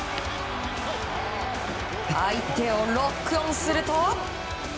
相手をロックオンすると。